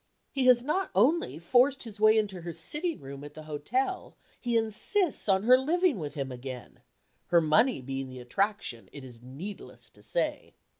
He has not only forced his way into her sitting room at the hotel; he insists on her living with him again; her money being the attraction, it is needless to say.